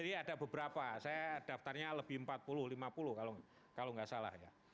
ada beberapa saya daftarnya lebih empat puluh lima puluh kalau nggak salah ya